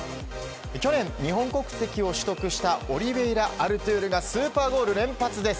去年、日本国籍を取得したオリベイラ・アルトゥールがスーパーゴール連発です。